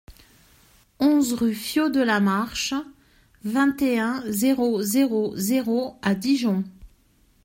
onze rue Fyot de la Marche, vingt et un, zéro zéro zéro à Dijon